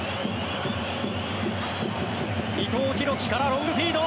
伊藤洋輝からロングフィード。